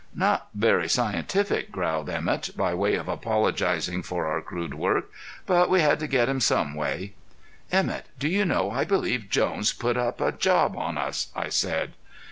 "Not very scientific," growled Emett, by way of apologizing for our crude work, "but we had to get him some way." "Emett, do you know I believe Jones put up a job on us?" I said.